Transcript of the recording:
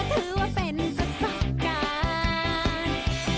ถือว่าเป็นกษัตริย์สการ